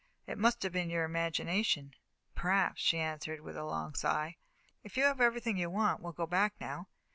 It must have been your imagination." "Perhaps," she answered, with a long sigh. "If you have everything you want, we'll go back now."